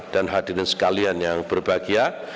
dan hadirin sekalian yang berbahagia